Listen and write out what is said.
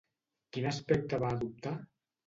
Quin aspecte va adoptar?